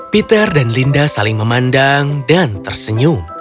peter dan linda saling memandang dan tersenyum